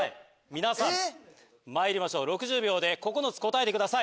皆さんまいりましょう６０秒で９つ答えてください。